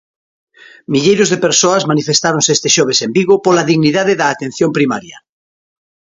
Milleiros de persoas manifestáronse este xoves en Vigo "pola dignidade da Atención Primaria".